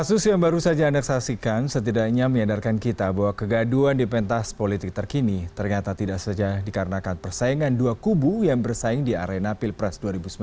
kasus yang baru saja anda saksikan setidaknya menyadarkan kita bahwa kegaduan di pentas politik terkini ternyata tidak saja dikarenakan persaingan dua kubu yang bersaing di arena pilpres dua ribu sembilan belas